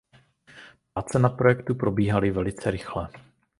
Práce na projektu probíhaly velice rychle.